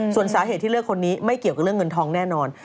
ส่วนสาเหตุที่เลือกคนนี้ไม่เกี่ยวกับเรื่องเงินทองแน่นอน